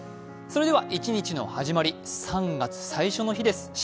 それでは一日の始まり３月最初の日です。